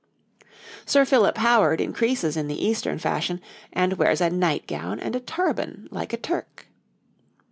Sir Philip Howard increases in the Eastern fashion, and wears a nightgown and a turban like a Turk.